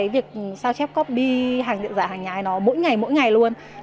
việc sao chép copy hàng dạng hàng nhái mỗi ngày mỗi ngày luôn